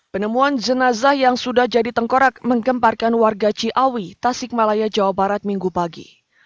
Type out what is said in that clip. penemuan jenazah yang sudah jadi tengkorak menggemparkan warga ciawi tasik malaya jawa barat minggu pagi